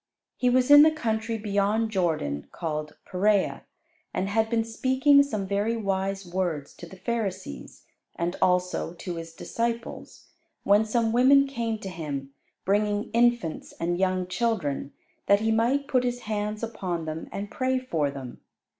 He was in the country beyond Jordan, called Peræa, and had been speaking some very wise words to the Pharisees, and also to His disciples, when some women came to Him, bringing infants and young children that He might put His hands upon them and pray for them.